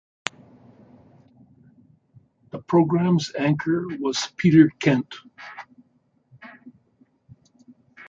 The program's anchor was Peter Kent.